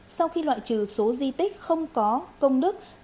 sau khi loại trừ số di tích không có công trình xây dựng